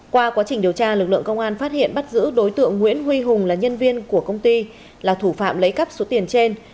qua quá trình điều tra lực lượng công an phát hiện bắt giữ đối tượng nguyễn huy hùng là nhân viên của công ty là thủ phạm lấy cắp số tiền trên